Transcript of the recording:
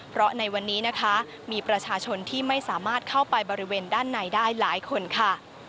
เพราะในวันนี้นะคะมีประชาชนที่ไม่สามารถเข้าไปบริเวณด้านในได้หลายคนค่ะ